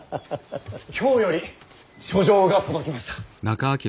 京より書状が届きました。